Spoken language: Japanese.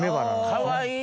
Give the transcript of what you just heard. かわいい！